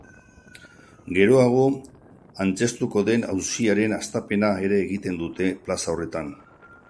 Geroago antzeztuko den auziaren hastapena ere egiten dute plaza horretan.